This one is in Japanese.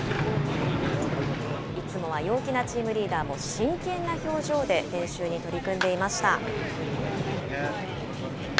いつもは陽気なチームリーダーも、真剣な表情で練習に取り組んでいました。